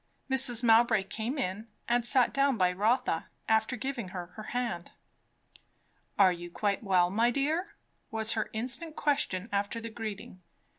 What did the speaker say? Mrs. Mowbray came in and sat down by Rotha, after giving her her hand. "Are you quite well, my dear?" was her instant question after the greeting.